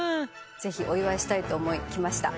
ぜひお祝いしたいと思い来ました